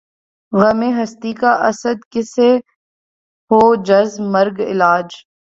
غم ہستی کا اسدؔ کس سے ہو جز مرگ علاج